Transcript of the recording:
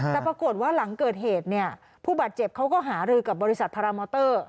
แต่ปรากฏว่าหลังเกิดเหตุเนี่ยผู้บาดเจ็บเขาก็หารือกับบริษัทพารามอเตอร์